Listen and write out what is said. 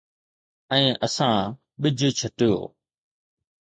۽ اسان ٻج ڇٽيو